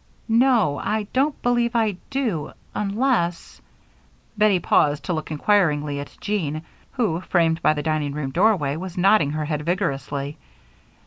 "No, I don't believe I do, unless " Bettie paused to look inquiringly at Jean, who, framed by the dining room doorway, was nodding her head vigorously.